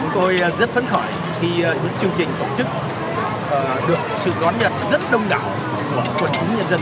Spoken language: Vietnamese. tôi rất phấn khỏi khi chương trình phổ chức được sự đón nhận rất đông đảo của quận chính nhân dân